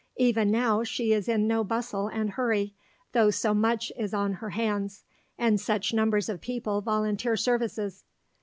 Even now she is in no bustle and hurry, though so much is on her hands, and such numbers of people volunteer services."